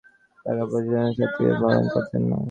তাঁর বয়স অল্প, তিনি সাত্ত্বিকতার ভড়ং করতেন না।